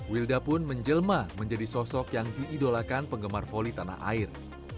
wilda pun menjelma menjadi sosok yang diidolakan penggemar voli tanah air